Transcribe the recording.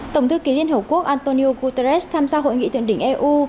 tổng thư ký liên hợp quốc antonio guterres tham gia hội nghị thượng đỉnh eu